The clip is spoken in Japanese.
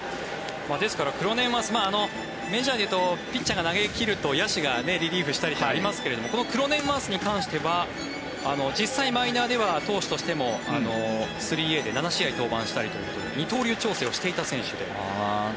ですから、クロネンワースメジャーでいうとピッチャーが投げ切ると野手がリリーフしたりとかありますがこのクロネンワースに関しては実際、マイナーでは投手としても３Ａで７試合登板したりと二刀流調整をしていた選手で。